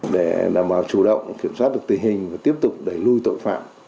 để đảm bảo chủ động kiểm soát được tình hình và tiếp tục đẩy lùi tội phạm